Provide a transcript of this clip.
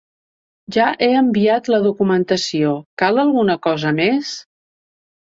Ja he enviat la documentació, cal alguna cosa més?